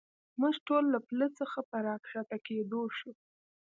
موږ ټول له پله څخه په را کښته کېدو شو.